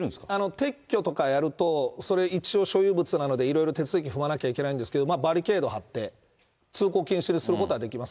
撤去とかやると、それ、一応所有物なので、いろいろ手続き踏まなきゃいけないんですけども、バリケード張って、通行禁止にすることはできます。